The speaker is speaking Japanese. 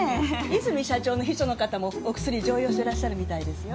泉社長の秘書の方もお薬常用してらっしゃるみたいですよ。